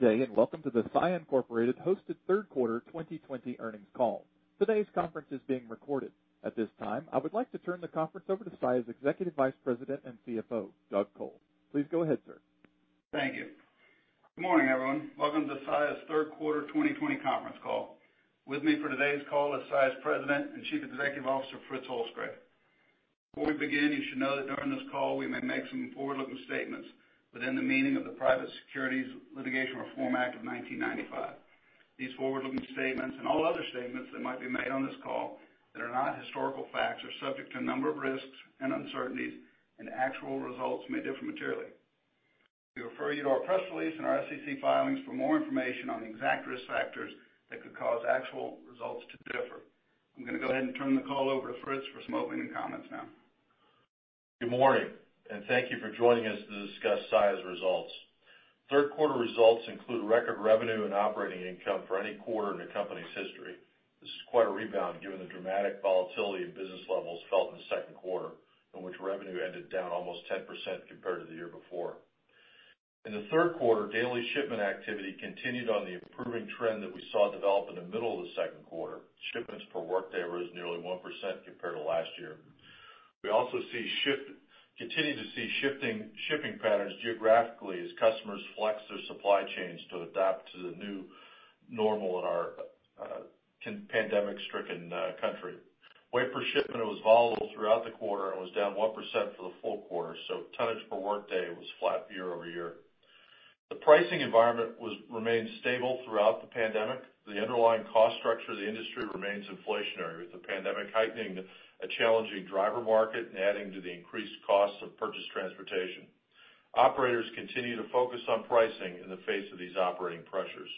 Good day, and welcome to the Saia Incorporated hosted third quarter 2020 earnings call. Today's conference is being recorded. At this time, I would like to turn the conference over to Saia's Executive Vice President and CFO, Doug Col. Please go ahead, sir. Thank you. Good morning, everyone. Welcome to Saia's third quarter 2020 conference call. With me for today's call is Saia's President and Chief Executive Officer, Fritz Holzgrefe. Before we begin, you should know that during this call we may make some forward-looking statements within the meaning of the Private Securities Litigation Reform Act of 1995. These forward-looking statements, and all other statements that might be made on this call that are not historical facts, are subject to a number of risks and uncertainties, and actual results may differ materially. We refer you to our press release and our SEC filings for more information on the exact risk factors that could cause actual results to differ. I'm going to go ahead and turn the call over to Fritz for some opening comments now. Good morning. Thank you for joining us to discuss Saia's results. Third quarter results include record revenue and operating income for any quarter in the company's history. This is quite a rebound given the dramatic volatility in business levels felt in the second quarter, in which revenue ended down almost 10% compared to the year before. In the third quarter, daily shipment activity continued on the improving trend that we saw develop in the middle of the second quarter. Shipments per workday rose nearly 1% compared to last year. We also continue to see shifting shipping patterns geographically as customers flex their supply chains to adapt to the new normal in our pandemic-stricken country. Weight per shipment was volatile throughout the quarter and was down 1% for the full quarter. Tonnage per workday was flat year-over-year. The pricing environment remained stable throughout the pandemic. The underlying cost structure of the industry remains inflationary, with the pandemic heightening a challenging driver market and adding to the increased cost of purchased transportation. Operators continue to focus on pricing in the face of these operating pressures.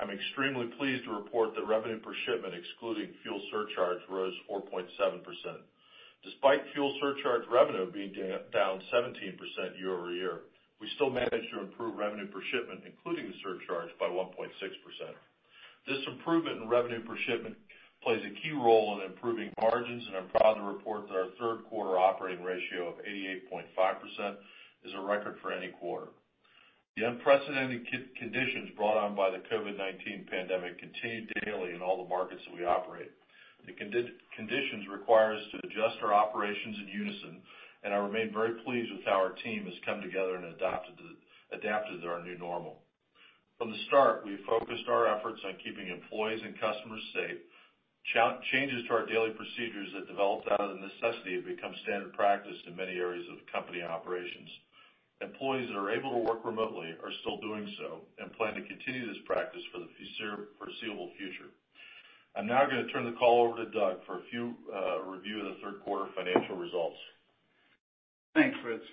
I'm extremely pleased to report that revenue per shipment excluding fuel surcharge rose 4.7%. Despite fuel surcharge revenue being down 17% year-over-year, we still managed to improve revenue per shipment, including the surcharge, by 1.6%. This improvement in revenue per shipment plays a key role in improving margins, and I'm proud to report that our third quarter operating ratio of 88.5% is a record for any quarter. The unprecedented conditions brought on by the COVID-19 pandemic continue daily in all the markets that we operate. The conditions require us to adjust our operations in unison. I remain very pleased with how our team has come together and adapted to our new normal. From the start, we have focused our efforts on keeping employees and customers safe. Changes to our daily procedures that developed out of the necessity have become standard practice in many areas of the company operations. Employees that are able to work remotely are still doing so and plan to continue this practice for the foreseeable future. I'm now going to turn the call over to Doug for a review of the third quarter financial results. Thanks, Fritz.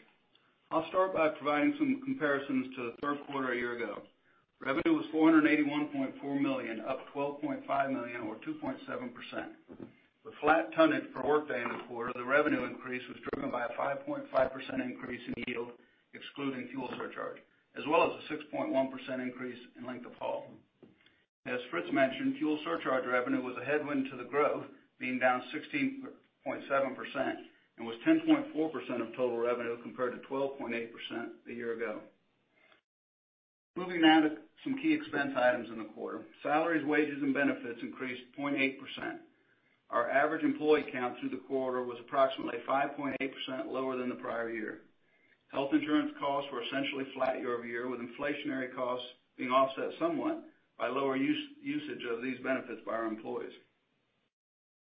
I'll start by providing some comparisons to the third quarter a year ago. Revenue was $481.4 million, up $12.5 million or 2.7%. With flat tonnage per workday in the quarter, the revenue increase was driven by a 5.5% increase in yield excluding fuel surcharge, as well as a 6.1% increase in length of haul. As Fritz mentioned, fuel surcharge revenue was a headwind to the growth, being down 16.7%, and was 10.4% of total revenue compared to 12.8% a year ago. Moving now to some key expense items in the quarter. Salaries, wages, and benefits increased 0.8%. Our average employee count through the quarter was approximately 5.8% lower than the prior year. Health insurance costs were essentially flat year over year, with inflationary costs being offset somewhat by lower usage of these benefits by our employees.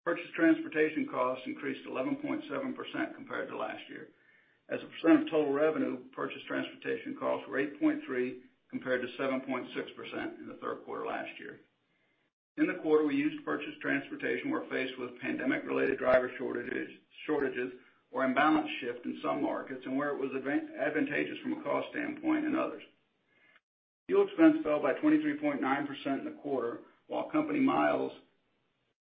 Purchased transportation costs increased 11.7% compared to last year. As a percent of total revenue, purchased transportation costs were 8.3% compared to 7.6% in the third quarter last year. In the quarter we used purchased transportation, we were faced with pandemic-related driver shortages, or imbalance shift in some markets, and where it was advantageous from a cost standpoint in others. Fuel expense fell by 23.9% in the quarter, while company miles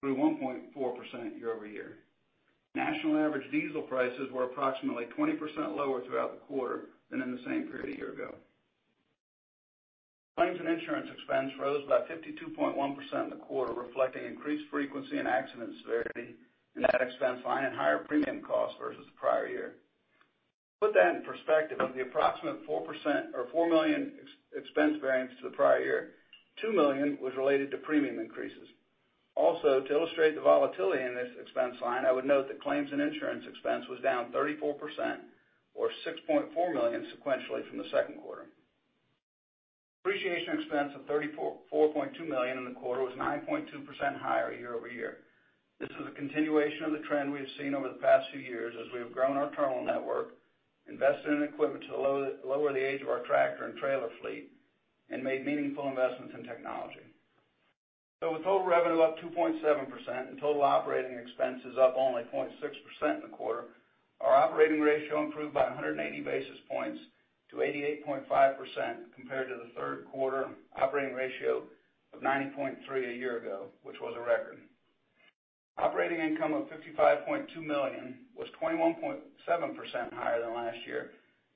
grew 1.4% year-over-year. National average diesel prices were approximately 20% lower throughout the quarter than in the same period a year ago. Claims and insurance expense rose by 52.1% in the quarter, reflecting increased frequency in accident severity in that expense line and higher premium costs versus the prior year. To put that in perspective, of the approximate 4% or $4 million expense variance to the prior year, $2 million was related to premium increases. To illustrate the volatility in this expense line, I would note that claims and insurance expense was down 34%, or $6.4 million, sequentially from the second quarter. Depreciation expense of $34.2 million in the quarter was 9.2% higher year-over-year. This is a continuation of the trend we have seen over the past few years as we have grown our terminal network, invested in equipment to lower the age of our tractor and trailer fleet, and made meaningful investments in technology. With total revenue up 2.7% and total operating expenses up only 0.6% in the quarter, our operating ratio improved by 180 basis points to 88.5% compared to the third quarter operating ratio of 90.3% a year ago, which was a record. Operating income of $55.2 million was 21.7% higher than last year.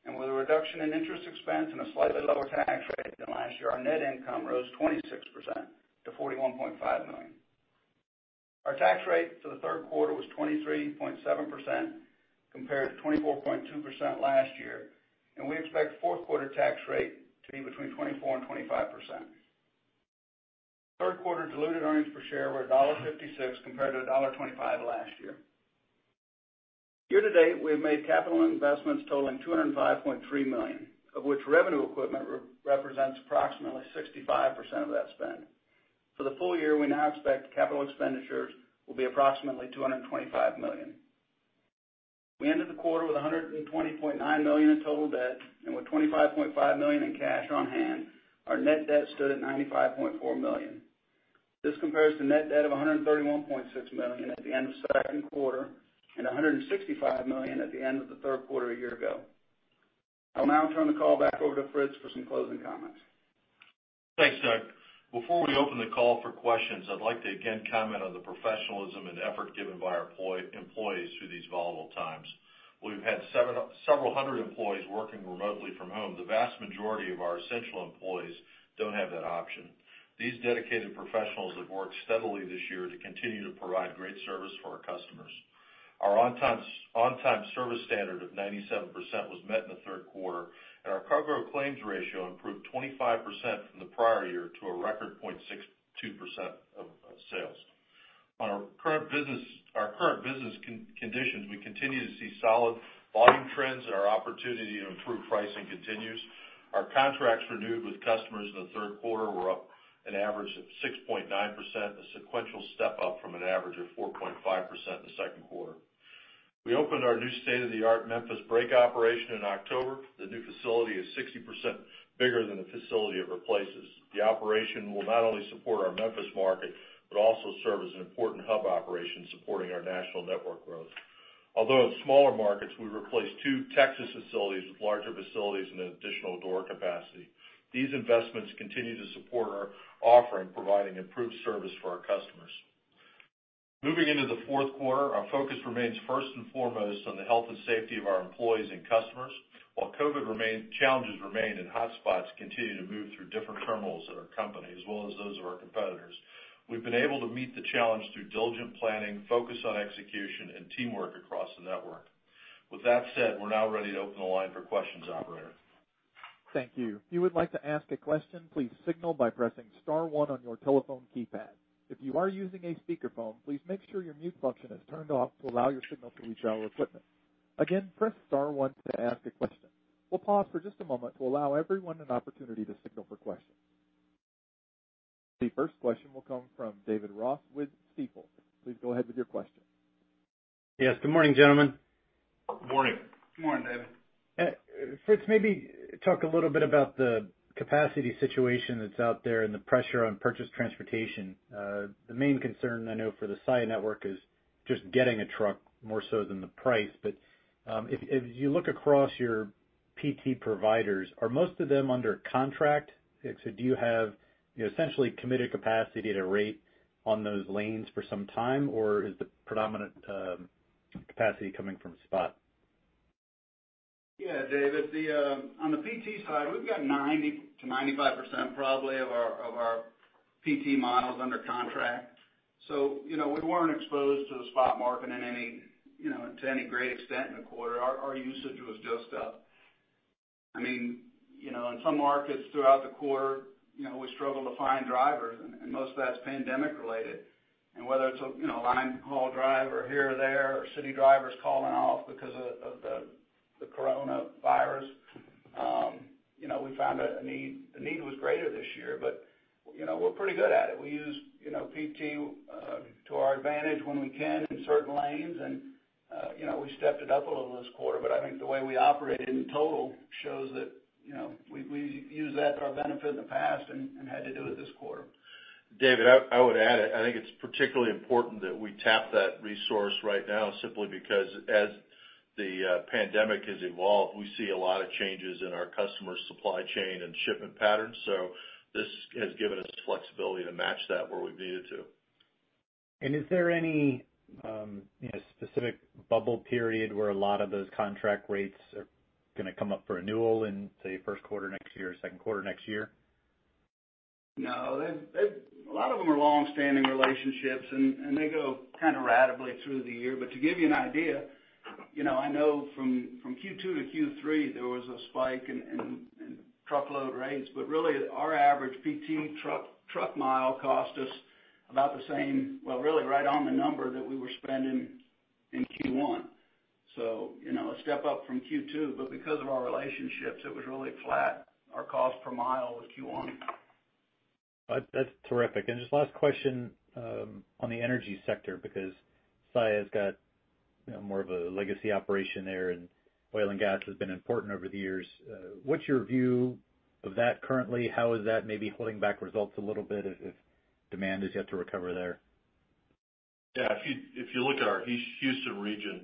With a reduction in interest expense and a slightly lower tax rate than last year, our net income rose 26% to $41.5 million. Our tax rate for the third quarter was 23.7% compared to 24.2% last year, and we expect fourth quarter tax rate to be between 24%-25%. Third quarter diluted earnings per share were $1.56 compared to $1.25 last year. Year to date, we have made capital investments totaling $205.3 million, of which revenue equipment represents approximately 65% of that spend. For the full year, we now expect capital expenditures will be approximately $225 million. We ended the quarter with $120.9 million in total debt, and with $25.5 million in cash on hand, our net debt stood at $95.4 million. This compares to net debt of $131.6 million at the end of the second quarter and $165 million at the end of the third quarter a year ago. I'll now turn the call back over to Fritz for some closing comments. Thanks, Doug. Before we open the call for questions, I'd like to again comment on the professionalism and effort given by our employees through these volatile times. We've had several hundred employees working remotely from home. The vast majority of our essential employees don't have that option. These dedicated professionals have worked steadily this year to continue to provide great service for our customers. Our on time service standard of 97% was met in the third quarter, and our cargo claims ratio improved 25% from the prior year to a record 0.62% of sales. On our current business conditions, we continue to see solid volume trends and our opportunity to improve pricing continues. Our contracts renewed with customers in the third quarter were up an average of 6.9%, a sequential step up from an average of 4.5% in the second quarter. We opened our new state-of-the-art Memphis break operation in October. The new facility is 60% bigger than the facility it replaces. The operation will not only support our Memphis market, but also serve as an important hub operation supporting our national network growth. Although in smaller markets, we replaced two Texas facilities with larger facilities and an additional door capacity. These investments continue to support our offering, providing improved service for our customers. Moving into the fourth quarter, our focus remains first and foremost on the health and safety of our employees and customers. While COVID challenges remain and hotspots continue to move through different terminals at our company as well as those of our competitors, we've been able to meet the challenge through diligent planning, focus on execution, and teamwork across the network. With that said, we're now ready to open the line for questions, operator. Thank you. If you would like to ask a question, please signal by pressing star one on your telephone keypad. If you are using a speakerphone, please make sure your mute function is turned off to allow your signal to reach our equipment. Again, press star one to ask a question. We'll pause for just a moment to allow everyone an opportunity to signal for questions. The first question will come from David Ross with Stifel. Please go ahead with your question. Yes. Good morning, gentlemen. Good morning. Good morning, David. Fritz, maybe talk a little bit about the capacity situation that's out there and the pressure on purchase transportation. The main concern I know for the Saia network is just getting a truck more so than the price. If you look across your PT providers, are most of them under contract? Do you have essentially committed capacity at a rate on those lanes for some time, or is the predominant capacity coming from spot? Yeah, David. On the PT side, we've got 90%-95% probably of our PT miles under contract. We weren't exposed to the spot market to any great extent in the quarter. Our usage was just up. In some markets throughout the quarter, we struggled to find drivers, and most of that's pandemic related. Whether it's a line haul driver here or there, or city drivers calling off because of the coronavirus. We found the need was greater this year, but we're pretty good at it. We use PT to our advantage when we can in certain lanes, and we stepped it up a little this quarter, but I think the way we operated in total shows that we used that to our benefit in the past and had to do it this quarter. David, I would add, I think it's particularly important that we tap that resource right now simply because as the pandemic has evolved, we see a lot of changes in our customers' supply chain and shipment patterns. This has given us flexibility to match that where we've needed to. Is there any specific bubble period where a lot of those contract rates are going to come up for renewal in, say, first quarter next year, second quarter next year? No. A lot of them are longstanding relationships, and they go kind of ratably through the year. To give you an idea, I know from Q2 to Q3, there was a spike in truckload rates, but really our average PT truck mile cost us about the same, well, really right on the number that we were spending in Q1. A step up from Q2, but because of our relationships, it was really flat. Our cost per mile was Q1. That's terrific. Just last question on the energy sector, because Saia's got more of a legacy operation there, and oil and gas has been important over the years. What's your view of that currently? How is that maybe holding back results a little bit if demand is yet to recover there? Yeah. If you look at our Houston region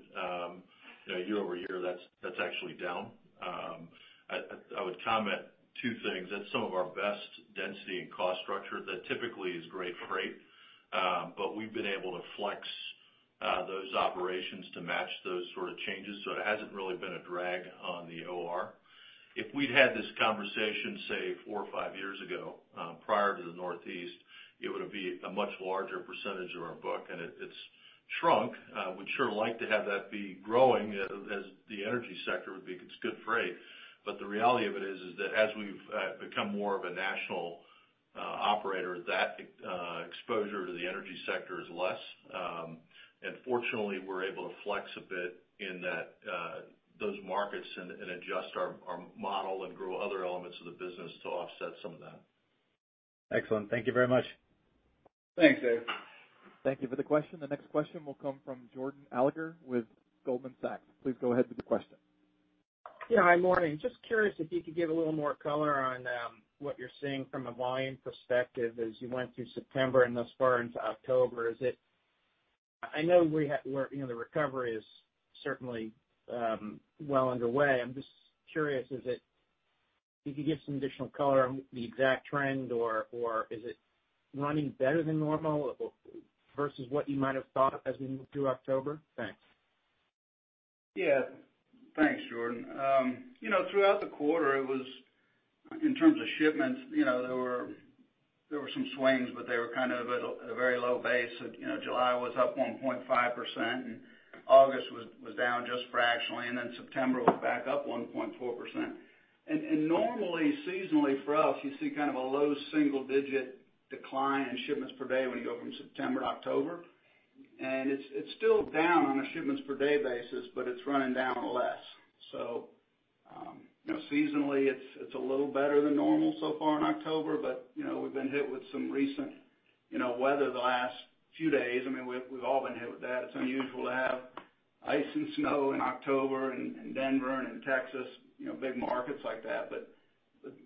year-over-year, that's actually down. I would comment two things. That's some of our best density and cost structure that typically is great freight, but we've been able to flex. Those operations to match those sort of changes. It hasn't really been a drag on the OR. If we'd had this conversation, say, four or five years ago, prior to the Northeast, it would be a much larger percentage of our book, and it's shrunk. We'd sure like to have that be growing as the energy sector because it's good freight. The reality of it is that as we've become more of a national operator, that exposure to the energy sector is less. Fortunately, we're able to flex a bit in those markets and adjust our model and grow other elements of the business to offset some of that. Excellent. Thank you very much. Thanks, Dave. Thank you for the question. The next question will come from Jordan Alliger with Goldman Sachs. Please go ahead with the question. Morning. Just curious if you could give a little more color on what you're seeing from a volume perspective as you went through September and thus far into October. I know the recovery is certainly well underway. I'm just curious if you could give some additional color on the exact trend, or is it running better than normal versus what you might have thought as we move through October? Thanks. Yeah. Thanks, Jordan. Throughout the quarter, in terms of shipments, there were some swings, but they were at a very low base. July was up 1.5%, and August was down just fractionally, and then September was back up 1.4%. Normally, seasonally for us, you see a low single-digit decline in shipments per day when you go from September to October. It's still down on a shipments per day basis, but it's running down less. Seasonally, it's a little better than normal so far in October, but we've been hit with some recent weather the last few days. We've all been hit with that. It's unusual to have ice and snow in October in Denver and in Texas, big markets like that.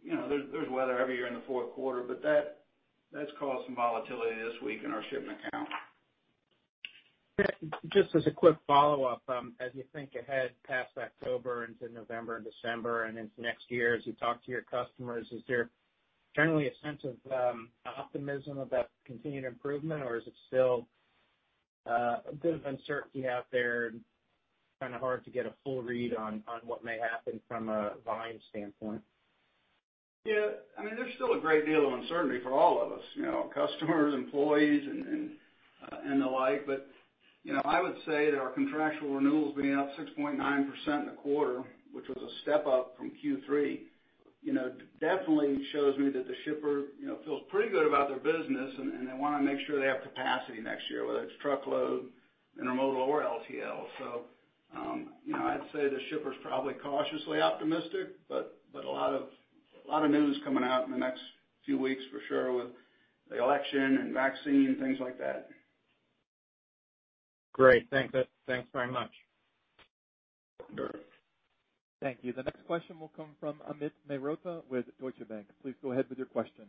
There's weather every year in the fourth quarter, but that's caused some volatility this week in our shipment count. Just as a quick follow-up, as you think ahead past October into November and December and into next year, as you talk to your customers, is there generally a sense of optimism about continued improvement, or is it still a bit of uncertainty out there and hard to get a full read on what may happen from a volume standpoint? Yeah. There's still a great deal of uncertainty for all of us, customers, employees, and the like. I would say that our contractual renewals being up 6.9% in the quarter, which was a step up from Q3, definitely shows me that the shipper feels pretty good about their business, and they want to make sure they have capacity next year, whether it's truckload, intermodal, or LTL. I'd say the shipper's probably cautiously optimistic, but a lot of news coming out in the next few weeks for sure with the election and vaccine, things like that. Great. Thanks very much. Thank you. The next question will come from Amit Mehrotra with Deutsche Bank. Please go ahead with your question.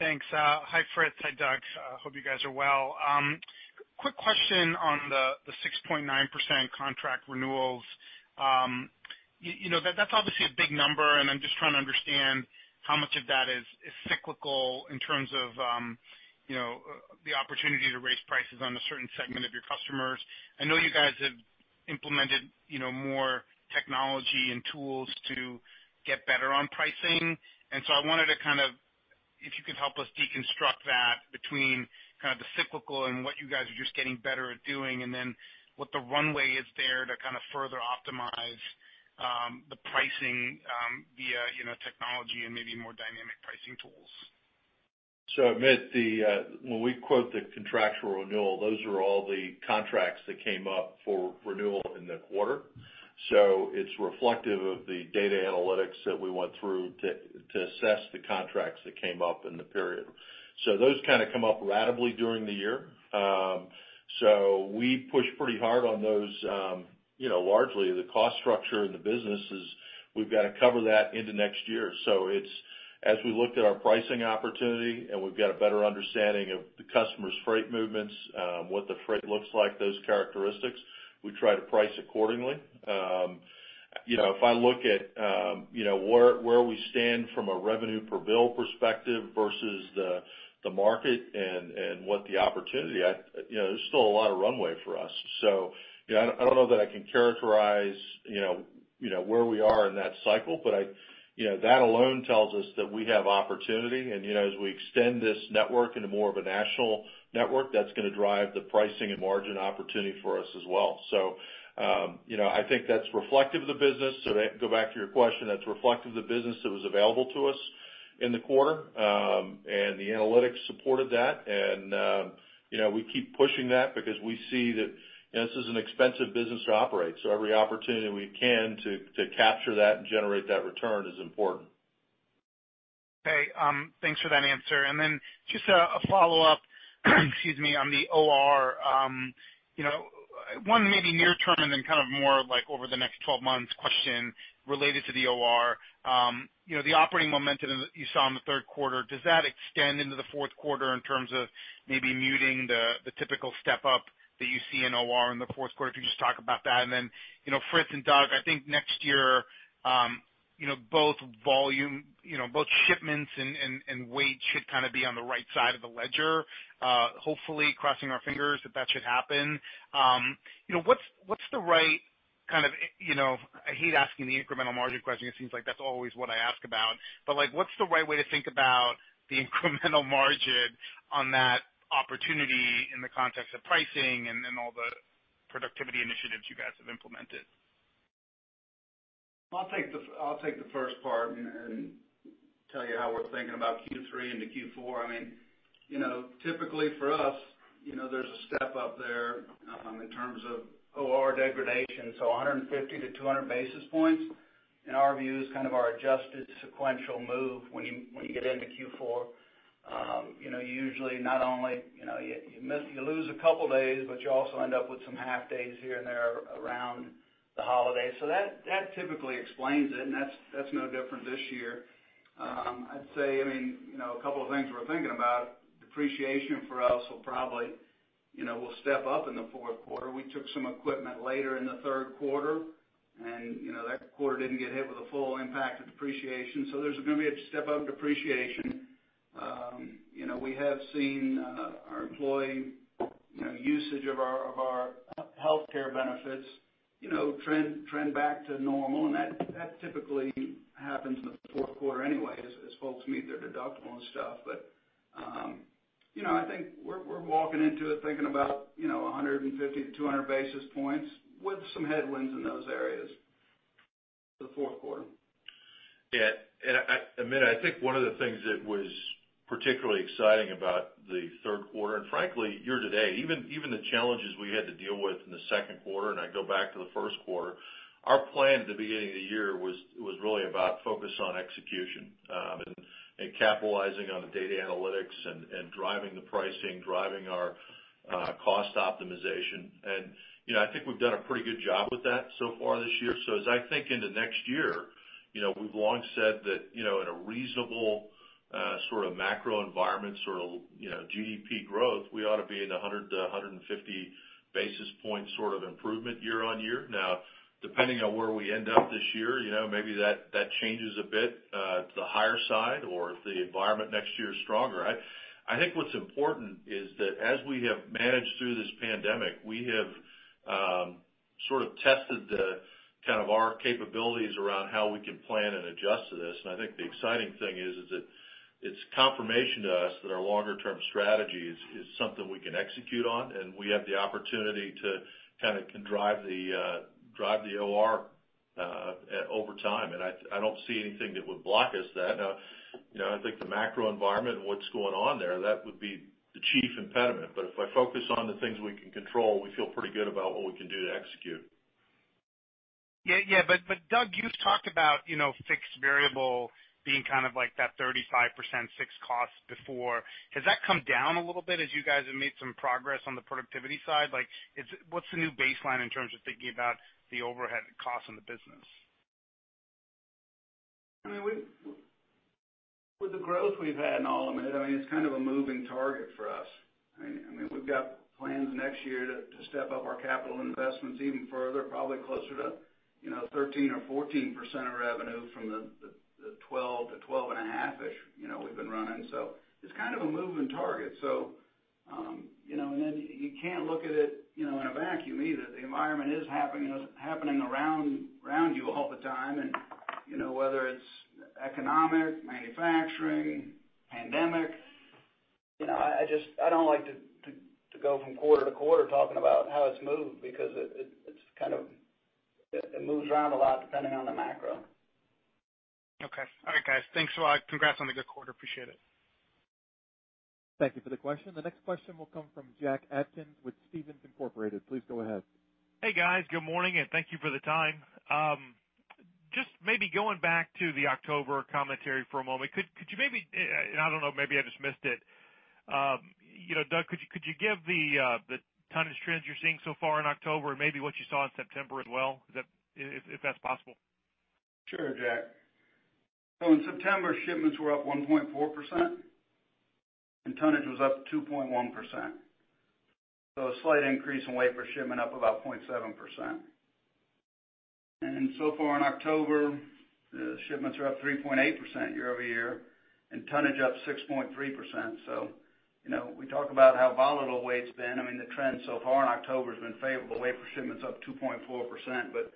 Thanks. Hi, Fritz. Hi, Doug. Hope you guys are well. Quick question on the 6.9% contract renewals. That's obviously a big number, I'm just trying to understand how much of that is cyclical in terms of the opportunity to raise prices on a certain segment of your customers. I know you guys have implemented more technology and tools to get better on pricing, I wanted to, if you could help us deconstruct that between the cyclical and what you guys are just getting better at doing, and then what the runway is there to further optimize the pricing via technology and maybe more dynamic pricing tools. Amit, when we quote the contractual renewal, those are all the contracts that came up for renewal in the quarter. It's reflective of the data analytics that we went through to assess the contracts that came up in the period. Those come up ratably during the year. We push pretty hard on those. Largely, the cost structure in the business is we've got to cover that into next year. As we looked at our pricing opportunity and we've got a better understanding of the customer's freight movements, what the freight looks like, those characteristics, we try to price accordingly. If I look at where we stand from a revenue per bill perspective versus the market and what the opportunity, there's still a lot of runway for us. I don't know that I can characterize where we are in that cycle, but that alone tells us that we have opportunity, and as we extend this network into more of a national network, that's going to drive the pricing and margin opportunity for us as well. I think that's reflective of the business. To go back to your question, that's reflective of the business that was available to us in the quarter. The analytics supported that, and we keep pushing that because we see that this is an expensive business to operate. Every opportunity we can to capture that and generate that return is important. Okay. Thanks for that answer. Just a follow-up on the OR. One maybe near term and then more over the next 12 months question related to the OR. The operating momentum that you saw in the third quarter, does that extend into the fourth quarter in terms of maybe muting the typical step-up that you see in OR in the fourth quarter? If you could just talk about that. Fritz and Doug, I think next year, both volume-- both shipments and weight should kind of be on the right side of the ledger. Hopefully, crossing our fingers, that that should happen. I hate asking the incremental margin question. It seems like that's always what I ask about, but what's the right way to think about the incremental margin on that opportunity in the context of pricing and all the productivity initiatives you guys have implemented? I'll take the first part and tell you how we're thinking about Q3 into Q4. Typically for us, there's a step up there in terms of OR degradation. 150 to 200 basis points, in our view, is kind of our adjusted sequential move when you get into Q4. Usually you lose a couple of days, you also end up with some half days here and there around the holidays. That typically explains it, that's no different this year. I'd say, a couple of things we're thinking about. Depreciation for us will probably step up in the fourth quarter. We took some equipment later in the third quarter, that quarter didn't get hit with the full impact of depreciation. There's going to be a step-up depreciation. We have seen our employee usage of our healthcare benefits trend back to normal. That typically happens in the fourth quarter anyway as folks meet their deductible and stuff. I think we're walking into it thinking about 150-200 basis points with some headwinds in those areas for the fourth quarter. Amit, I think one of the things that was particularly exciting about the third quarter, and frankly, year to date, even the challenges we had to deal with in the second quarter, and I go back to the first quarter. Our plan at the beginning of the year was really about focus on execution, and capitalizing on the data analytics and driving the pricing, driving our cost optimization. I think we've done a pretty good job with that so far this year. As I think into next year, we've long said that in a reasonable sort of macro environment, sort of GDP growth, we ought to be in 100 to 150 basis point sort of improvement year-on-year. Now, depending on where we end up this year, maybe that changes a bit to the higher side, or if the environment next year is stronger. I think what's important is that as we have managed through this pandemic, we have sort of tested our capabilities around how we can plan and adjust to this. I think the exciting thing is that it's confirmation to us that our longer-term strategy is something we can execute on, and we have the opportunity to drive the OR over time, and I don't see anything that would block us then. I think the macro environment and what's going on there, that would be the chief impediment. If I focus on the things we can control, we feel pretty good about what we can do to execute. Yeah. Doug, you talked about fixed variable being that 35% fixed cost before. Has that come down a little bit as you guys have made some progress on the productivity side? What's the new baseline in terms of thinking about the overhead cost in the business? With the growth we've had and all of it's kind of a moving target for us. We've got plans next year to step up our capital investments even further, probably closer to 13% or 14% of revenue from the 12% to 12.5%-ish we've been running. It's kind of a moving target. You can't look at it in a vacuum either. The environment is happening around you all the time, and whether it's economic, manufacturing, pandemic. I don't like to go from quarter to quarter talking about how it's moved because it moves around a lot depending on the macro. Okay. All right, guys. Thanks a lot. Congrats on the good quarter. Appreciate it. Thank you for the question. The next question will come from Jack Atkins with Stephens Inc. Please go ahead. Hey, guys. Good morning, and thank you for the time. Just maybe going back to the October commentary for a moment. I don't know, maybe I just missed it. Doug, could you give the tonnage trends you're seeing so far in October and maybe what you saw in September as well, if that's possible? Sure, Jack. In September, shipments were up 1.4%, and tonnage was up 2.1%. A slight increase in weight per shipment up about 0.7%. So far in October, the shipments are up 3.8% year-over-year and tonnage up 6.3%. We talk about how volatile weight's been. The trend so far in October has been favorable. Weight per shipment's up 2.4%, but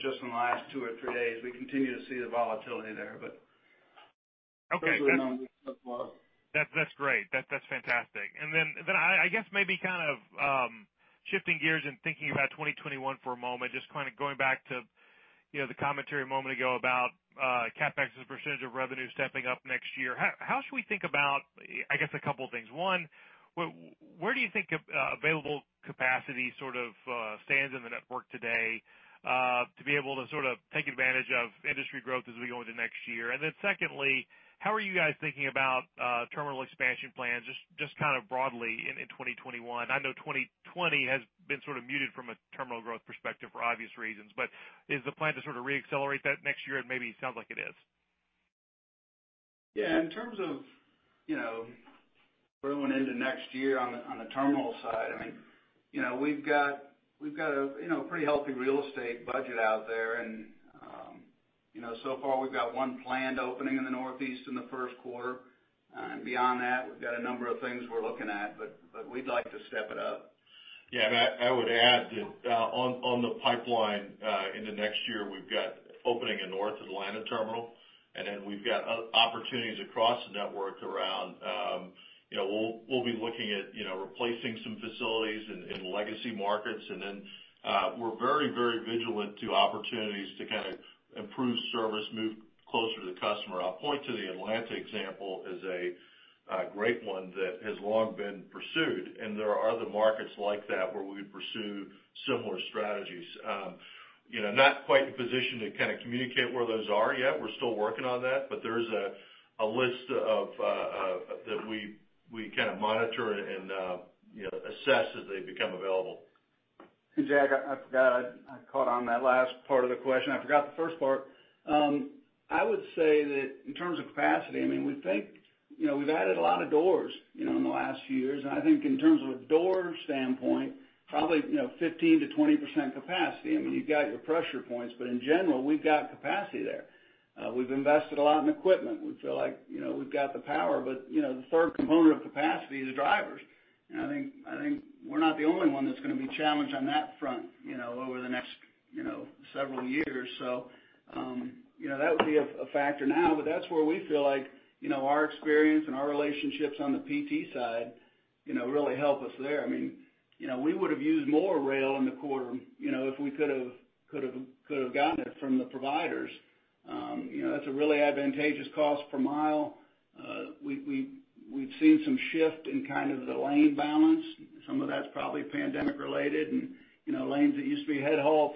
just in the last two or three days, we continue to see the volatility there. Okay. Thus far. That's great. That's fantastic. Then I guess maybe shifting gears and thinking about 2021 for a moment, just going back to the commentary a moment ago about CapEx as a percentage of revenue stepping up next year. How should we think about, I guess a couple of things? One, where do you think available capacity sort of stands in the network today to be able to take advantage of industry growth as we go into next year? Then secondly, how are you guys thinking about terminal expansion plans, just broadly in 2021? I know 2020 has been sort of muted from a terminal growth perspective for obvious reasons, but is the plan to reaccelerate that next year? It maybe sounds like it is. Yeah. In terms of growing into next year on the terminal side, we've got a pretty healthy real estate budget out there. So far, we've got one planned opening in the Northeast in the first quarter. Beyond that, we've got a number of things we're looking at, but we'd like to step it up. Yeah. I would add that on the pipeline, into next year, we've got opening a North Atlanta terminal. We've got opportunities across the network. We'll be looking at replacing some facilities in legacy markets. We're very, very vigilant to opportunities to improve service, move closer to the customer. I'll point to the Atlanta example as a great one that has long been pursued, and there are other markets like that where we pursue similar strategies. Not quite in a position to communicate where those are yet. We're still working on that. There is a list that we monitor and assess as they become available. Jack, I forgot. I caught on that last part of the question. I forgot the first part. I would say that in terms of capacity, we've added a lot of doors in the last few years. I think in terms of a door standpoint, probably 15%-20% capacity. You've got your pressure points, but in general, we've got capacity there. We've invested a lot in equipment. We feel like we've got the power. The third component of capacity is drivers. I think we're not the only one that's going to be challenged on that front over the next several years. That would be a factor now, but that's where we feel like our experience and our relationships on the PT side really help us there. We would have used more rail in the quarter if we could have gotten it from the providers. That's a really advantageous cost per mile. We've seen some shift in the lane balance. Some of that's probably pandemic related, and lanes that used to be head haul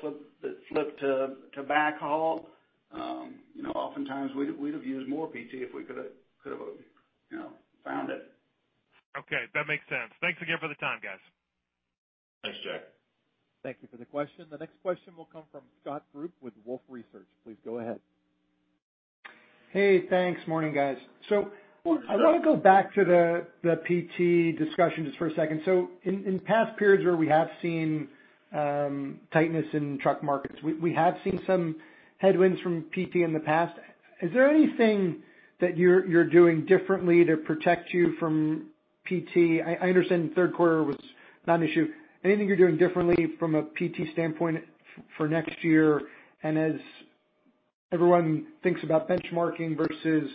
flipped to back haul. Oftentimes, we'd have used more PT if we could have found it. Okay. That makes sense. Thanks again for the time, guys. Thanks, Jack. Thank you for the question. The next question will come from Scott Group with Wolfe Research. Please go ahead. Hey, thanks. Morning, guys. I want to go back to the PT discussion just for a second. In past periods where we have seen tightness in truck markets, we have seen some headwinds from PT in the past. Is there anything that you're doing differently to protect you from PT? I understand in the third quarter was not an issue. Anything you're doing differently from a PT standpoint for next year? As everyone thinks about benchmarking versus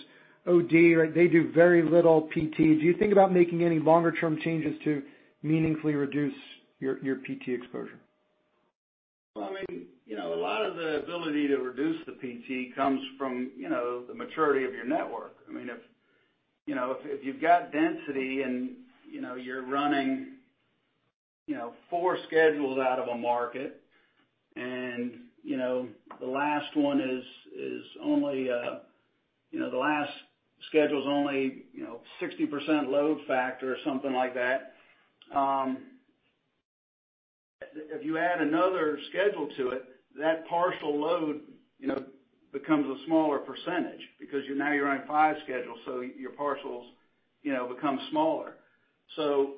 OD, they do very little PT. Do you think about making any longer-term changes to meaningfully reduce your PT exposure? Well, a lot of the ability to reduce the PT comes from the maturity of your network. If you've got density and you're running four schedules out of a market and the last schedule's only 60% load factor or something like that. If you add another schedule to it, that partial load becomes a smaller percentage because now you're running five schedules, so your partials become smaller. The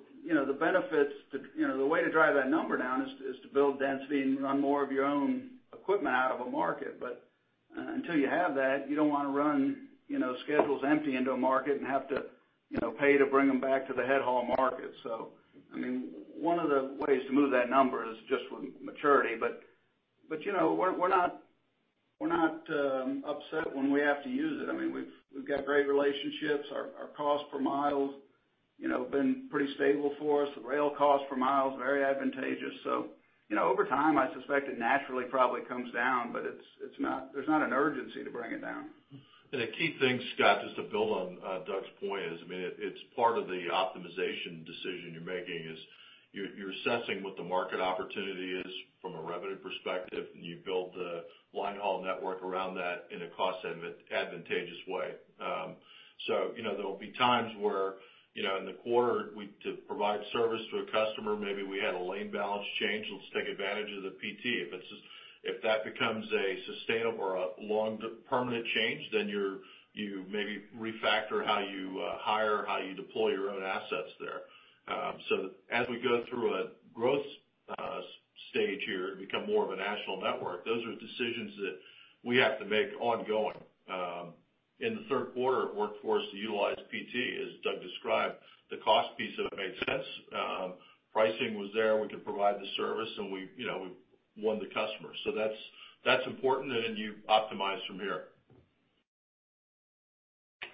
way to drive that number down is to build density and run more of your own equipment out of a market. Until you have that, you don't want to run schedules empty into a market and have to pay to bring them back to the head haul market. One of the ways to move that number is just with maturity, but we're not upset when we have to use it. We've got great relationships. Our cost per mile been pretty stable for us. The rail cost per mile is very advantageous. Over time, I suspect it naturally probably comes down, but there's not an urgency to bring it down. A key thing, Scott, just to build on Doug's point is, it's part of the optimization decision you're making is you're assessing what the market opportunity is from a revenue perspective, and you build the line haul network around that in a cost-advantageous way. There'll be times where in the quarter to provide service to a customer, maybe we had a lane balance change, let's take advantage of the PT. If that becomes a sustainable or a permanent change, then you maybe refactor how you hire or how you deploy your own assets there. As we go through a growth stage here and become more of a national network, those are decisions that we have to make ongoing. In the third quarter, it worked for us to utilize PT, as Doug described. The cost piece of it made sense. Pricing was there. We could provide the service, and we won the customer. That's important, and then you optimize from here.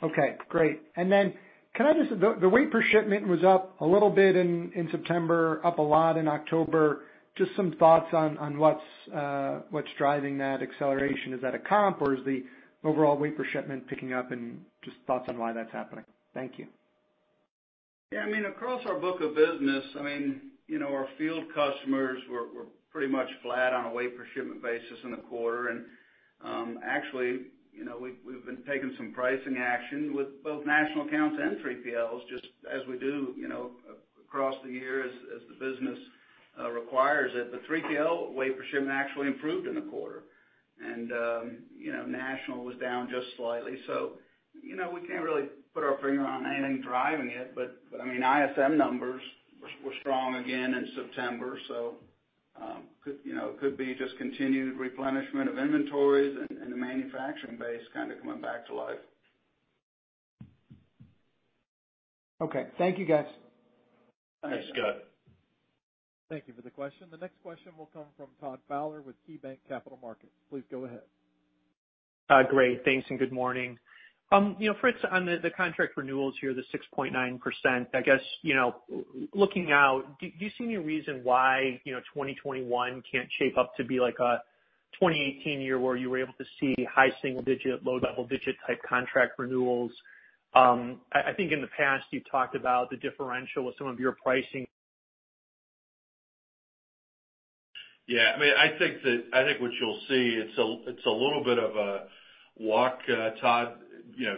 Okay, great. The weight per shipment was up a little bit in September, up a lot in October. Just some thoughts on what's driving that acceleration? Is that a comp or is the overall weight per shipment picking up? Just thoughts on why that's happening? Thank you. Yeah. Across our book of business, our field customers were pretty much flat on a weight per shipment basis in the quarter. Actually, we've been taking some pricing action with both national accounts and 3PLs, just as we do across the year as the business requires it. The 3PL weight per shipment actually improved in the quarter. National was down just slightly. We can't really put our finger on anything driving it, but ISM numbers were strong again in September, so it could be just continued replenishment of inventories and the manufacturing base kind of coming back to life. Okay. Thank you, guys. Thanks, Scott. Thank you for the question. The next question will come from Todd Fowler with KeyBanc Capital Markets. Please go ahead. Great. Thanks and good morning. Fritz, on the contract renewals here, the 6.9%, I guess, looking out, do you see any reason why 2021 can't shape up to be like a 2018 year where you were able to see high single digit, low double digit type contract renewals? I think in the past, you talked about the differential with some of your pricing. Yeah, I think what you'll see, it's a little bit of a walk, Todd,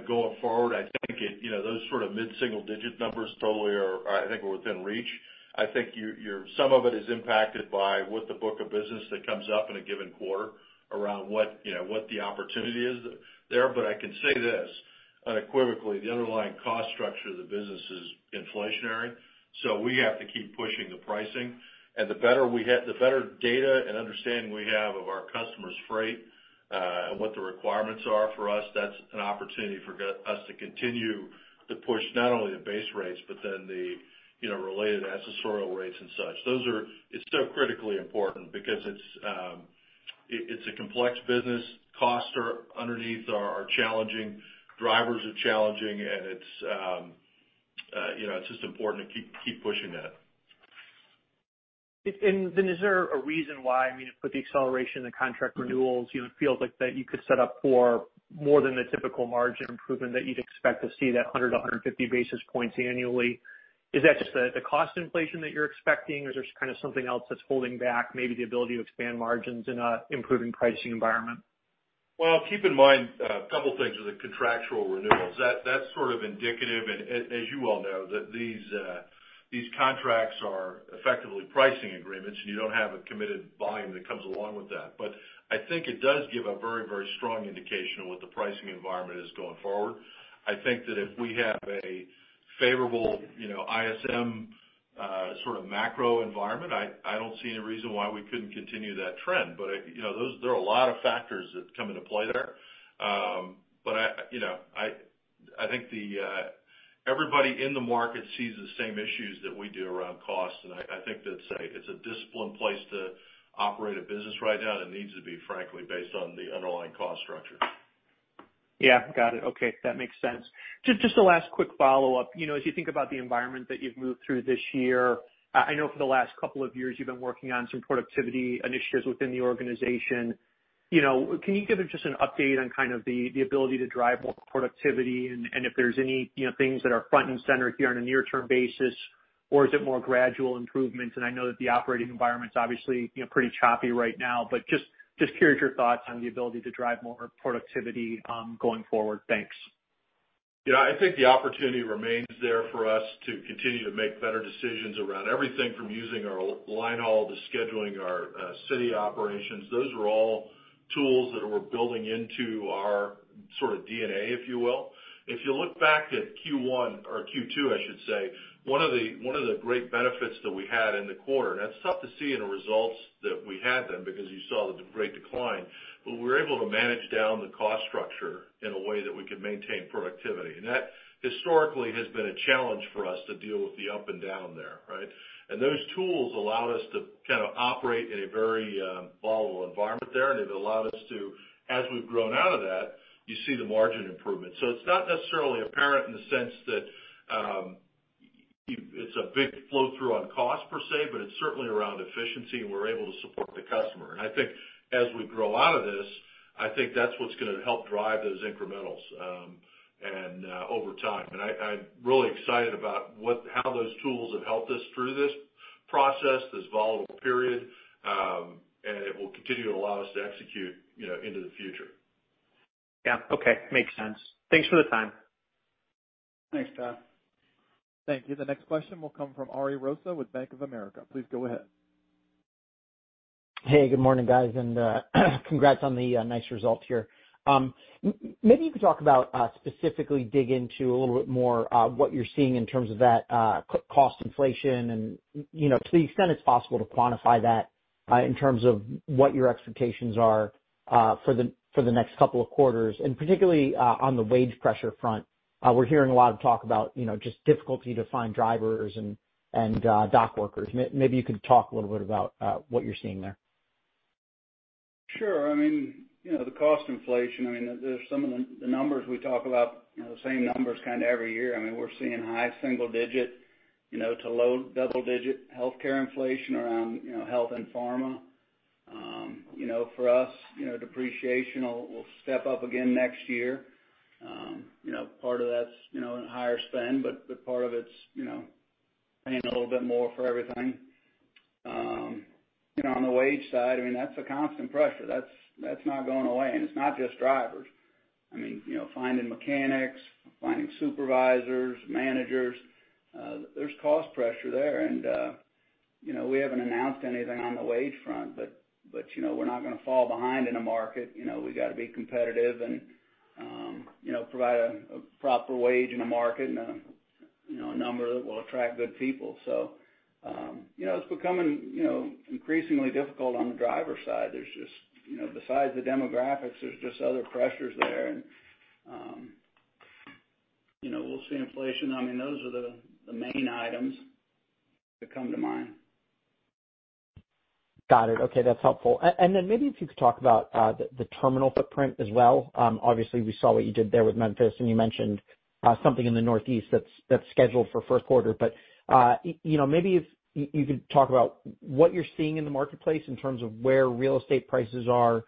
going forward. I think those sort of mid-single digit numbers totally are, I think, within reach. I think some of it is impacted by what the book of business that comes up in a given quarter around what the opportunity is there. I can say this unequivocally, the underlying cost structure of the business is inflationary, we have to keep pushing the pricing. The better data and understanding we have of our customers' freight, what the requirements are for us, that's an opportunity for us to continue to push not only the base rates, the related accessorial rates and such. It's so critically important because it's a complex business. Costs underneath are challenging, drivers are challenging, it's just important to keep pushing that. Is there a reason why, with the acceleration and the contract renewals, it feels like that you could set up for more than the typical margin improvement that you'd expect to see, that 100 to 150 basis points annually. Is that just the cost inflation that you're expecting, or is there something else that's holding back maybe the ability to expand margins in an improving pricing environment? Well, keep in mind a couple things with the contractual renewals. That's sort of indicative, and as you well know, that these contracts are effectively pricing agreements, and you don't have a committed volume that comes along with that. But I think it does give a very strong indication of what the pricing environment is going forward. I think that if we have a favorable ISM sort of macro environment, I don't see any reason why we couldn't continue that trend. But there are a lot of factors that come into play there. But I think everybody in the market sees the same issues that we do around cost, and I think that it's a disciplined place to operate a business right now, and it needs to be, frankly, based on the underlying cost structure. Yeah. Got it. Okay. That makes sense. Just a last quick follow-up. As you think about the environment that you've moved through this year, I know for the last couple of years you've been working on some productivity initiatives within the organization. Can you give just an update on kind of the ability to drive more productivity and if there's any things that are front and center here on a near-term basis? Or is it more gradual improvements? I know that the operating environment's obviously pretty choppy right now, but just curious your thoughts on the ability to drive more productivity going forward. Thanks. I think the opportunity remains there for us to continue to make better decisions around everything from using our line haul to scheduling our city operations. Those are all tools that we're building into our sort of DNA, if you will. If you look back at Q1 or Q2, I should say, one of the great benefits that we had in the quarter, and it's tough to see in the results that we had then because you saw the great decline, but we were able to manage down the cost structure in a way that we could maintain productivity. That historically has been a challenge for us to deal with the up and down there, right? Those tools allowed us to kind of operate in a very volatile environment there, and it allowed us to, as we've grown out of that, you see the margin improvement. It's not necessarily apparent in the sense that it's a big flow-through on cost per se, but it's certainly around efficiency, and we're able to support the customer. I think as we grow out of this, I think that's what's going to help drive those incrementals over time. I'm really excited about how those tools have helped us through this process, this volatile period. It will continue to allow us to execute into the future. Yeah. Okay. Makes sense. Thanks for the time. Thanks, Todd. Thank you. The next question will come from Ari Rosa with Bank of America. Please go ahead. Hey, good morning, guys, and congrats on the nice results here. Maybe you could talk about, specifically dig into a little bit more what you're seeing in terms of that cost inflation and to the extent it's possible to quantify that in terms of what your expectations are for the next couple of quarters, and particularly on the wage pressure front. We're hearing a lot of talk about just difficulty to find drivers and dock workers. Maybe you could talk a little bit about what you're seeing there. Sure. The cost inflation, there's some of the numbers we talk about, the same numbers every year. We're seeing high single-digit to low double-digit healthcare inflation around health and pharma. For us, depreciation will step up again next year. Part of that's in higher spend, but part of it's paying a little bit more for everything. The wage side, that's a constant pressure. That's not going away. It's not just drivers. Finding mechanics, finding supervisors, managers, there's cost pressure there. We haven't announced anything on the wage front, but we're not going to fall behind in a market. We got to be competitive and provide a proper wage in a market and a number that will attract good people. It's becoming increasingly difficult on the driver side. Besides the demographics, there's just other pressures there. We'll see inflation. Those are the main items that come to mind. Got it. Okay. That's helpful. Maybe if you could talk about the terminal footprint as well. Obviously, we saw what you did there with Memphis, and you mentioned something in the Northeast that's scheduled for first quarter. Maybe if you could talk about what you're seeing in the marketplace in terms of where real estate prices are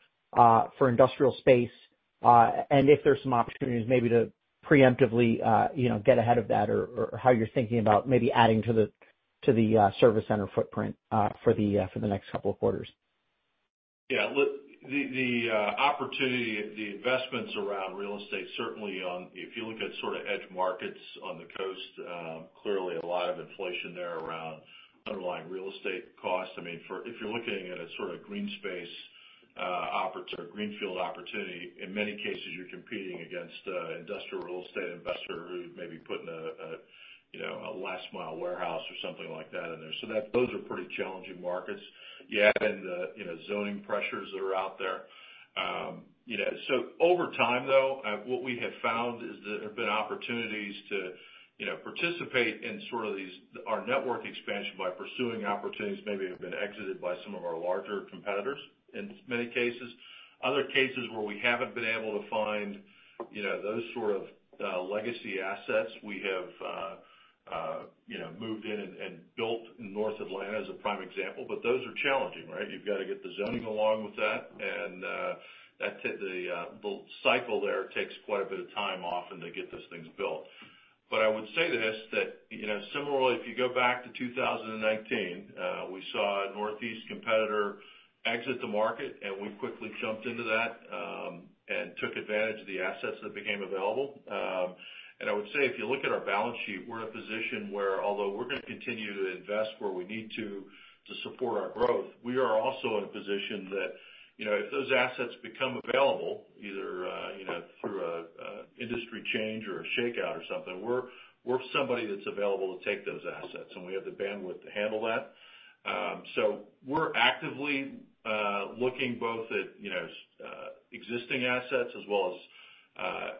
for industrial space, and if there's some opportunities maybe to preemptively get ahead of that or how you're thinking about maybe adding to the service center footprint for the next couple of quarters. The opportunity, the investments around real estate, certainly if you look at sort of edge markets on the coast, clearly a lot of inflation there around underlying real estate costs. If you're looking at a sort of greenfield opportunity, in many cases, you're competing against an industrial real estate investor who may be putting a last mile warehouse or something like that in there. Those are pretty challenging markets. You add in the zoning pressures that are out there. Over time, though, what we have found is that there have been opportunities to participate in sort of our network expansion by pursuing opportunities maybe that have been exited by some of our larger competitors, in many cases. Other cases where we haven't been able to find those sort of legacy assets, we have moved in and built North Atlanta, as a prime example. Those are challenging, right? You've got to get the zoning along with that, and the cycle there takes quite a bit of time often to get those things built. I would say this, that similarly, if you go back to 2019, we saw a Northeast competitor exit the market, and we quickly jumped into that and took advantage of the assets that became available. I would say, if you look at our balance sheet, we're in a position where although we're going to continue to invest where we need to support our growth, we are also in a position that if those assets become available, either through an industry change or a shakeout or something, we're somebody that's available to take those assets, and we have the bandwidth to handle that. We're actively looking both at existing assets as well as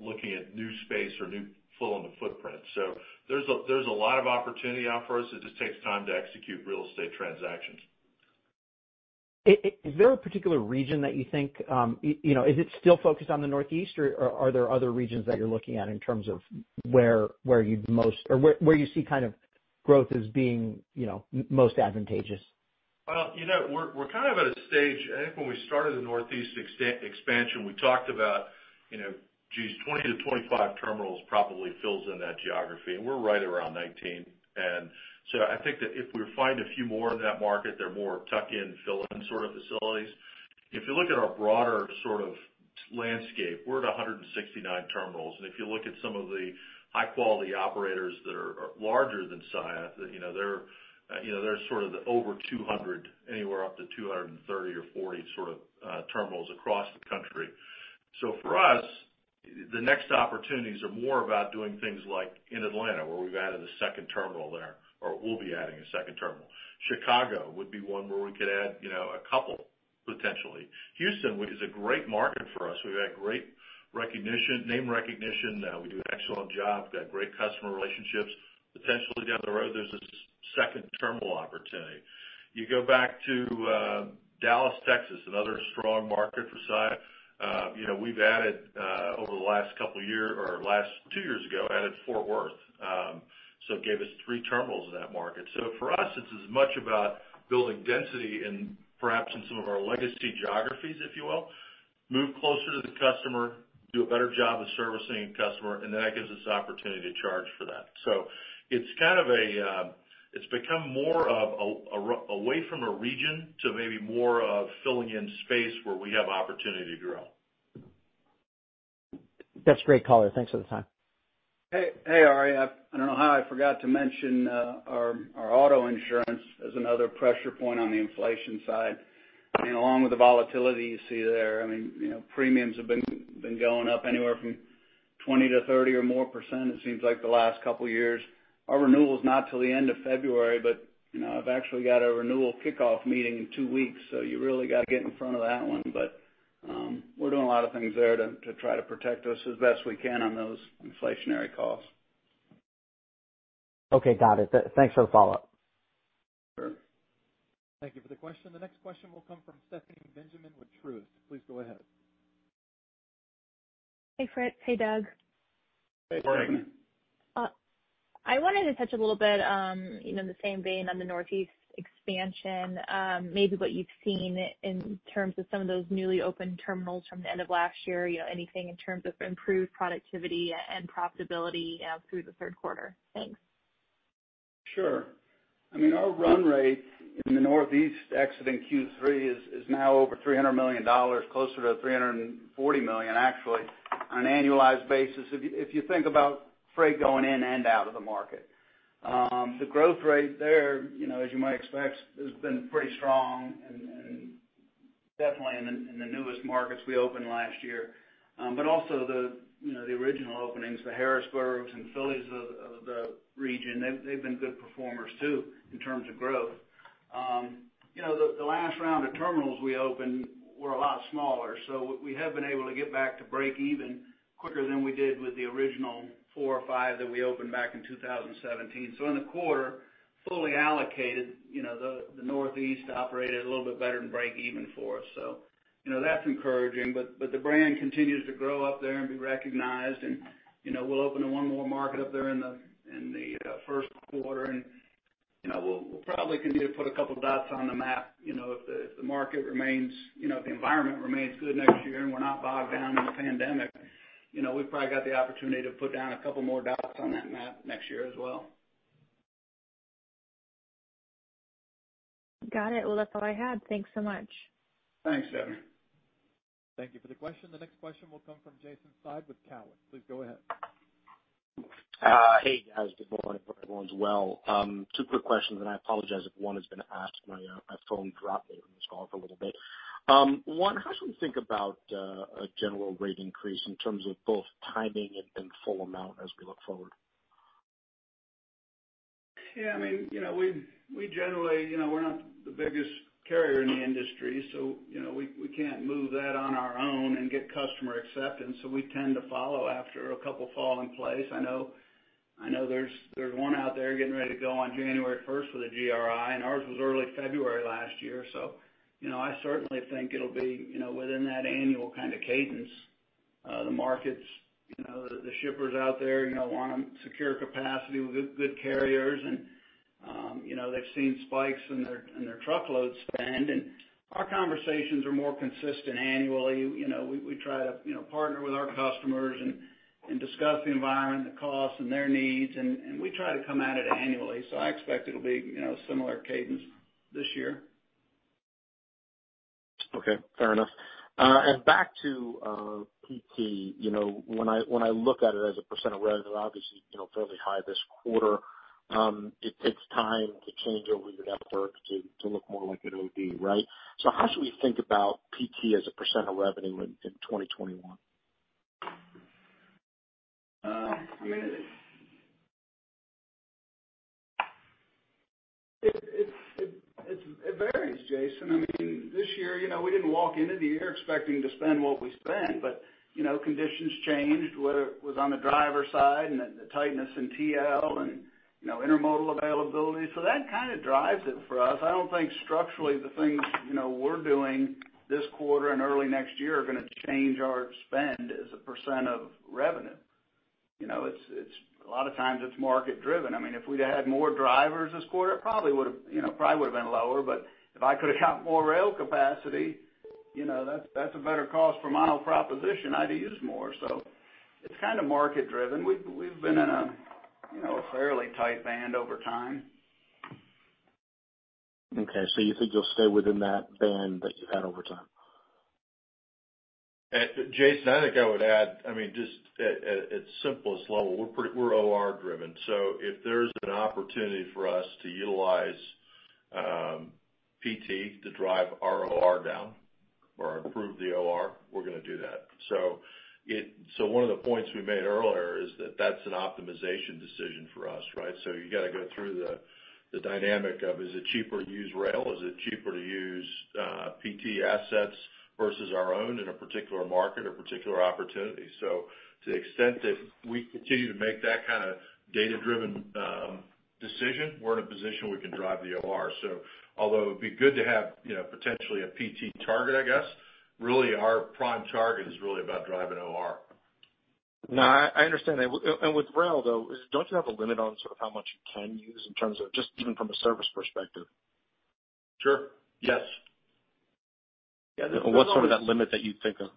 looking at new space or new fill in the footprint. There's a lot of opportunity out for us. It just takes time to execute real estate transactions. Is it still focused on the Northeast, or are there other regions that you're looking at in terms of where you see kind of growth as being most advantageous? We're kind of at a stage. I think when we started the Northeast expansion, we talked about, geez, 20-25 terminals probably fills in that geography, and we're right around 19. I think that if we find a few more in that market, they're more tuck in, fill in sort of facilities. If you look at our broader sort of landscape, we're at 169 terminals, and if you look at some of the high-quality operators that are larger than Saia, they're sort of the over 200, anywhere up to 230 or 240 sort of terminals across the country. For us, the next opportunities are more about doing things like in Atlanta, where we've added a second terminal there, or we'll be adding a second terminal. Chicago would be one where we could add a couple, potentially. Houston is a great market for us. We've had great name recognition. We do an excellent job, got great customer relationships. Potentially down the road, there's a second terminal opportunity. You go back to Dallas, Texas, another strong market for Saia. We've added over the last couple years, or last two years ago, added Fort Worth. It gave us three terminals in that market. For us, it's as much about building density and perhaps in some of our legacy geographies, if you will. Move closer to the customer, do a better job of servicing the customer, and then that gives us the opportunity to charge for that. It's become more of away from a region to maybe more of filling in space where we have opportunity to grow. That's great color. Thanks for the time. Hey, Ari. I don't know how I forgot to mention our auto insurance as another pressure point on the inflation side. Along with the volatility you see there, premiums have been going up anywhere from 20%-30% or more, it seems like, the last couple of years. Our renewal is not till the end of February, but I've actually got a renewal kickoff meeting in two weeks, so you really got to get in front of that one. We're doing a lot of things there to try to protect us as best we can on those inflationary costs. Okay, got it. Thanks for the follow-up. Sure. Thank you for the question. The next question will come from Stephanie Benjamin with Truist. Please go ahead. Hey, Fritz. Hey, Doug. Hey, Stephanie. Good morning. I wanted to touch a little bit on the same vein on the Northeast expansion. Maybe what you've seen in terms of some of those newly opened terminals from the end of last year, anything in terms of improved productivity and profitability through the third quarter? Thanks. Sure. Our run rate in the Northeast exiting Q3 is now over $300 million, closer to $340 million actually, on an annualized basis, if you think about freight going in and out of the market. The growth rate there, as you might expect, has been pretty strong and definitely in the newest markets we opened last year. Also the original openings, the Harrisburgs and Phillys of the region, they've been good performers too, in terms of growth. The last round of terminals we opened were a lot smaller. We have been able to get back to breakeven quicker than we did with the original four or five that we opened back in 2017. In the quarter, fully allocated, the Northeast operated a little bit better than breakeven for us. That's encouraging, but the brand continues to grow up there and be recognized, and we'll open in one more market up there in the first quarter, and we'll probably continue to put a couple of dots on the map. If the market remains, if the environment remains good next year and we're not bogged down in the pandemic, we've probably got the opportunity to put down a couple more dots on that map next year as well. Got it. Well, that's all I had. Thanks so much. Thanks, Stephanie. Thank you for the question. The next question will come from Jason Seidl with Cowen. Please go ahead. Hey, guys. Good morning, hope everyone's well. Two quick questions, and I apologize if one has been asked. My phone dropped during this call for a little bit. One, how should we think about a general rate increase in terms of both timing and full amount as we look forward? We're not the biggest carrier in the industry, so we can't move that on our own and get customer acceptance. We tend to follow after a couple fall in place. I know there's one out there getting ready to go on January 1st with a GRI, and ours was early February last year. I certainly think it'll be within that annual kind of cadence. The markets, the shippers out there want to secure capacity with good carriers and they've seen spikes in their truckload spend, and our conversations are more consistent annually. We try to partner with our customers and discuss the environment, the costs, and their needs, and we try to come at it annually. I expect it'll be similar cadence this year. Okay, fair enough. Back to PT. When I look at it as a percent of revenue, obviously, fairly high this quarter. It's time to change over your network to look more like it would be, right? How should we think about PT as a percent of revenue in 2021? It varies, Jason. This year, we didn't walk into the year expecting to spend what we spent, but conditions changed, whether it was on the driver side and the tightness in TL and intermodal availability. That kind of drives it for us. I don't think structurally the things we're doing this quarter and early next year are going to change our spend as a percent of revenue. A lot of times it's market driven. If we'd had more drivers this quarter, it probably would've been lower, but if I could've got more rail capacity, that's a better cost per mile proposition. I'd have used more. It's kind of market driven. We've been in a fairly tight band over time. Okay, you think you'll stay within that band that you've had over time? Jason, I think I would add, just at its simplest level, we're OR driven. If there's an opportunity for us to utilize PT to drive our OR down or improve the OR, we're going to do that. One of the points we made earlier is that that's an optimization decision for us, right? You got to go through the dynamic of, is it cheaper to use rail? Is it cheaper to use PT assets versus our own in a particular market or particular opportunity? To the extent that we continue to make that kind of data-driven decision, we're in a position we can drive the OR. Although it'd be good to have potentially a PT target, I guess, really our prime target is really about driving OR. No, I understand that. With rail, though, don't you have a limit on sort of how much you can use in terms of just even from a service perspective? Sure, yes. What's sort of that limit that you think of?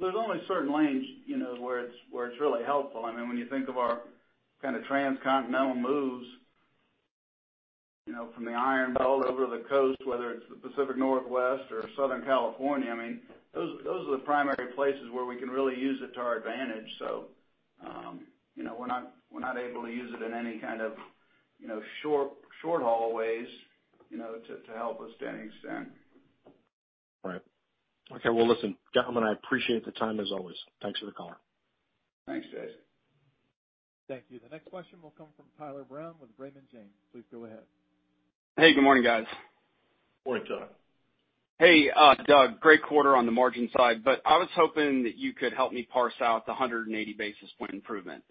There's only a certain range where it's really helpful. When you think of our kind of transcontinental moves from the Iron Bowl over to the coast, whether it's the Pacific Northwest or Southern California, those are the primary places where we can really use it to our advantage. We're not able to use it in any kind of short haul ways to help us to any extent. Right. Okay, well listen, gentlemen, I appreciate the time as always. Thanks for the call. Thanks, Jason. Thank you. The next question will come from Tyler Brown with Raymond James. Please go ahead. Hey, good morning, guys. Morning, Tyler. Hey, Doug, great quarter on the margin side, but I was hoping that you could help me parse out the 180 basis point improvement.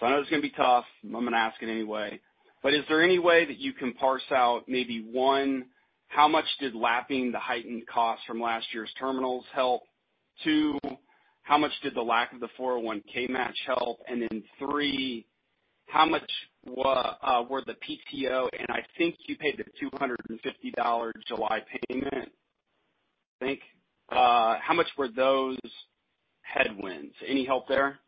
I know it's going to be tough, I'm going to ask it anyway, but is there any way that you can parse out maybe, one, how much did lapping the heightened cost from last year's terminals help? Two- How much did the lack of the 401(k) match help? Then three, how much were the PTO, and I think you paid the $250 July payment, I think. How much were those headwinds? Any help there?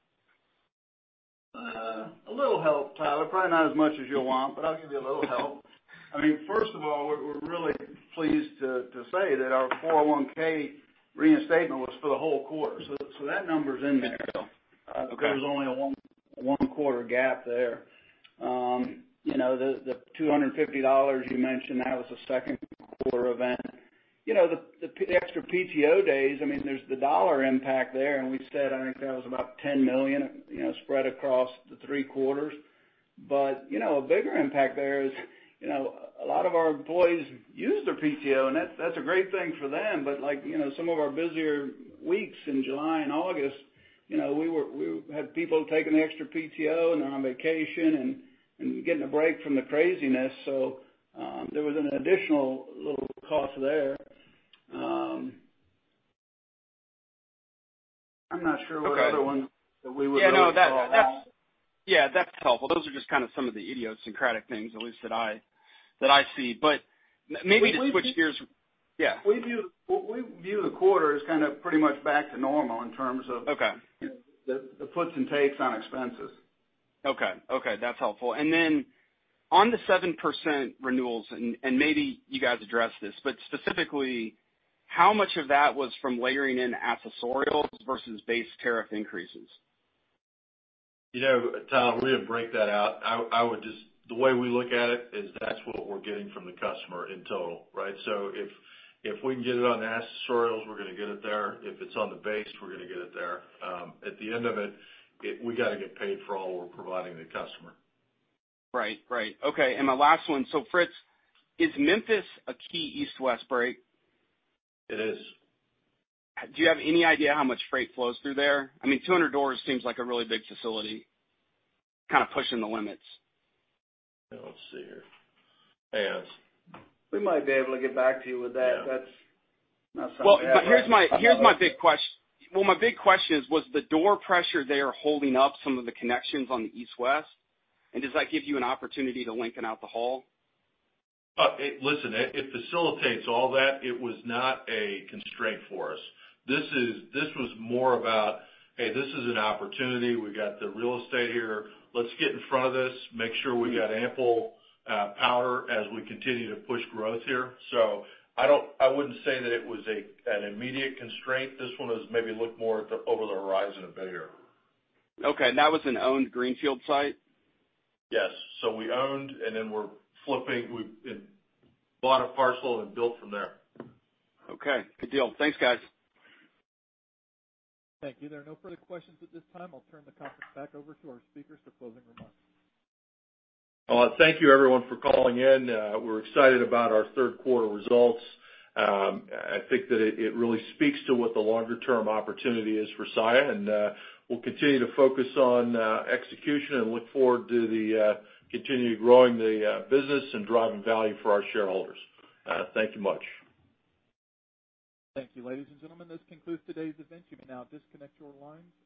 A little help, Tyler. Probably not as much as you'll want, but I'll give you a little help. First of all, we're really pleased to say that our 401(k) reinstatement was for the whole quarter. That number's in there though. Okay. There was only a one quarter gap there. The $250 you mentioned, that was a second quarter event. We said, I think that was about $10 million, spread across the three quarters. A bigger impact there is a lot of our employees use their PTO, and that's a great thing for them. Some of our busier weeks in July and August, we had people taking the extra PTO, and they're on vacation and getting a break from the craziness. There was an additional little cost there. I'm not sure what other one that we would really call out. Yeah. That's helpful. Those are just some of the idiosyncratic things, at least that I see. Maybe to switch gears. Yeah. We view the quarter as pretty much back to normal in terms of- Okay. The puts and takes on expenses. Okay. That's helpful. On the 7% renewals, and maybe you guys addressed this, but specifically, how much of that was from layering in accessorials versus base tariff increases? Tyler, we didn't break that out. The way we look at it is that's what we're getting from the customer in total. Right? If we can get it on the accessorials, we're going to get it there. If it's on the base, we're going to get it there. At the end of it, we got to get paid for all we're providing the customer. Right. Okay. My last one. Fritz, is Memphis a key East-West break? It is. Do you have any idea how much freight flows through there? I mean, 200 doors seems like a really big facility, kind of pushing the limits. Let's see here. Yes. We might be able to get back to you with that. Yeah. That's not something we have right off the top of our heads. Well, my big question is, was the door pressure there holding up some of the connections on the East-West? Does that give you an opportunity to lengthen out the haul? Listen, it facilitates all that. It was not a constraint for us. This was more about, hey, this is an opportunity. We've got the real estate here. Let's get in front of this, make sure we've got ample powder as we continue to push growth here. I wouldn't say that it was an immediate constraint. This one was maybe look more at the over the horizon a bit here. Okay. That was an owned greenfield site? Yes. We owned, and then we're flipping. We bought a parcel and built from there. Okay. Good deal. Thanks, guys. Thank you. There are no further questions at this time. I'll turn the conference back over to our speakers for closing remarks. Thank you everyone for calling in. We're excited about our third quarter results. I think that it really speaks to what the longer term opportunity is for Saia, we'll continue to focus on execution and look forward to the continuing growing the business and driving value for our shareholders. Thank you much. Thank you. Ladies and gentlemen, this concludes today's event. You may now disconnect your lines.